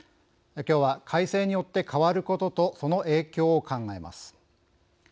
きょうは改正によって変わることとその影響を考えます。